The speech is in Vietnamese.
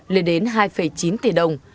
lên đến hai chín tỷ đồng